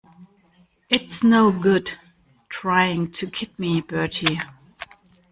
It's no good trying to kid me, Bertie.